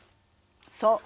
そう。